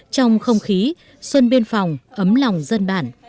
trong không khí xuân biên phòng ấm lòng dân bản